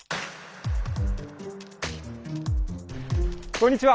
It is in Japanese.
こんにちは！